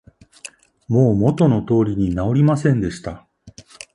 もう元の通りに直りませんでした